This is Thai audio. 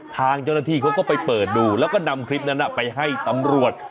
ทางเจ้าหน้าที่เขาก็ไปเปิดดูแล้วก็นำคลิปนั้นไปให้ตำรวจ